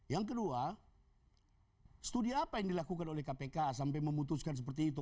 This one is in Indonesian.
yang kedua studi apa yang dilakukan oleh kpk sampai memutuskan seperti itu